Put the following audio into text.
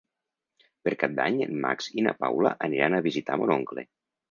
Per Cap d'Any en Max i na Paula aniran a visitar mon oncle.